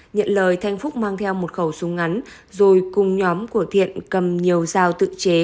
nhận lời thanh phúc mang theo một khẩu súng ngắn rồi cùng nhóm của thiện cầm nhiều dao tự chế